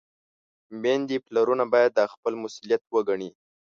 میندې، پلرونه باید دا خپل مسؤلیت وګڼي.